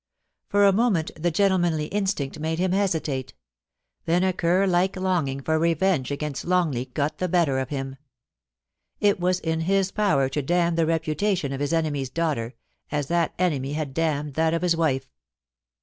For a moment the gentlemanly instinct made him hesitate ; then a cur like longing for revenge against Longleat got the better of him. It was in his power to 374 POLICY AND PASS/OAT. damn the reputation of his enemy's daughter, as that enemy had damned that of his wife.